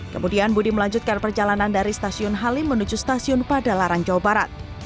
kemudian budi melanjutkan perjalanan dari stasiun halim menuju stasiun padalarang jawa barat